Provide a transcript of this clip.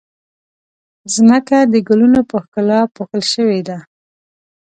ځمکه د ګلونو په ښکلا پوښل شوې ده.